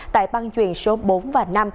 tại băng chuyển số bốn và năm